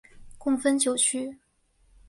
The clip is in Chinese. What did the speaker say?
共分九区。